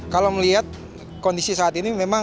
kalau melihat kondisi saat ini memang